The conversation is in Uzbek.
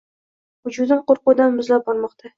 Vujudim qo’rquvdan muzlab bormoqda